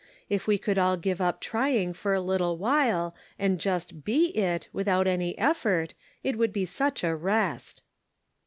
If we could all' give up trying for a little while and just be it, without any effort, it would be such a rest."